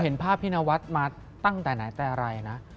เห็นภาพพี่นวัดมาตั้งแต่ไหนแต่อะไรนะ